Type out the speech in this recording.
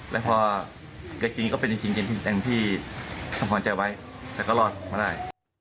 แล้วพอเกิดจริงก็เป็นจริงที่สังหวัญใจไว้แต่ก็รอดมาได้